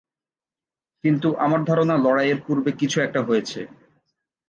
কিন্তু আমার ধারণা লড়াইয়ের পূর্বে কিছু একটা হয়েছে।